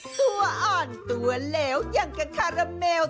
ตัวอ่อนตัวเหลวอย่างกับคาราเมล